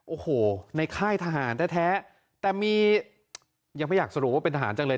โอ้โหในค่ายทหารแท้แต่มียังไม่อยากสรุปว่าเป็นทหารจังเลย